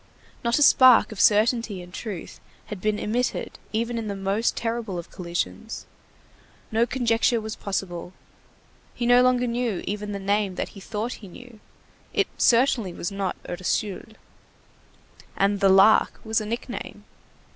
Not a spark of certainty and truth had been emitted even in the most terrible of collisions. No conjecture was possible. He no longer knew even the name that he thought he knew. It certainly was not Ursule. And the Lark was a nickname.